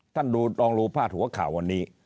ท่านลองดูพาดหัวข่าววันนี้